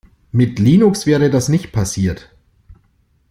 Mit Linux wäre das nicht passiert!